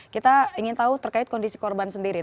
kita ingin tahu terkait kondisi korban sendiri